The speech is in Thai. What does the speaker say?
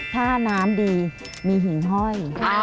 ถ้าน้ำดีมีหิ่งห้อย